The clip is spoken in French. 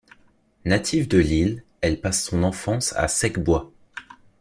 Native de Lille, elle passe son enfance à Sec-Bois.